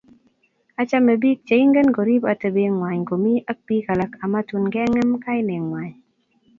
Achame bik che ingen korip atabet ngwai komii ak biik alak amatun kengem kainengwai